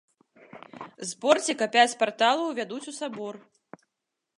З порціка пяць парталаў вядуць у сабор.